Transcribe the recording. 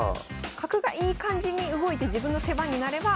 角がいい感じに動いて自分の手番になれば。